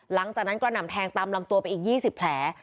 หลังจากนั้นกระหน่ำแทงตามลำตัวไปอีก๒๐แผล